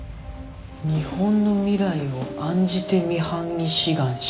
日本の未来を案じてミハンに志願した。